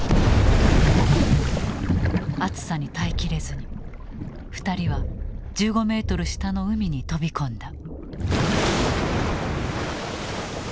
熱さに耐え切れずに２人は１５メートル下の海に飛び込んだ。